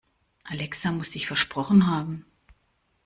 Alexa muss sich versprochen haben.